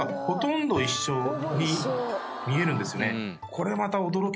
これまた。